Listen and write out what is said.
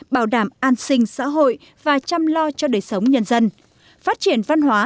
bảo đảm an sinh xã hội và chăm lo cho đời sống nhân dân phát triển văn hóa